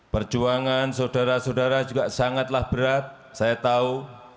perjuangan saudara saudara juga sangatlah berat saya tahu